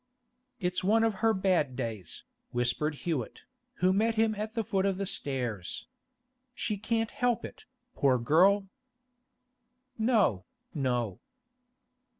'It's one of her bad days,' whispered Hewett, who met him at the foot of the stairs. 'She can't help it, poor girl!' 'No, no.